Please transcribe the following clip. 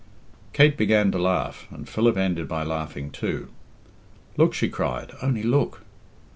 Kate began to laugh, and Philip ended by laughing too. "Look!" she cried, "only look."